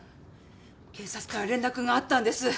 警察から連絡があったんです。